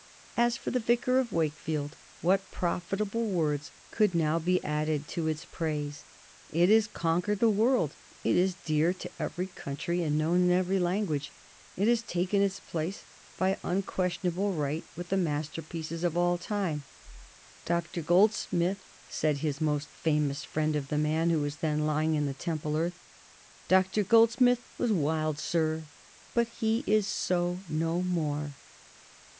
As for the "Vicar of Wakefield," what profitable words could now be added to its praise? It has conquered the world, it is dear to every country and known in every language, it has taken its place by unquestionable right with the masterpieces of all time. [Sidenote: 1774 Goldsmith and Dr. Johnson] "Dr. Goldsmith," said his most famous friend of the man who was then lying in the Temple earth "Dr. Goldsmith was wild, sir, but he is so no more."